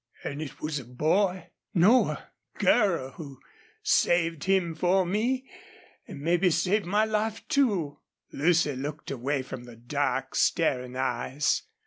An' it was a boy no a GIRL who saved him for me an' maybe saved my life, too!" Lucy looked away from the dark, staring eyes.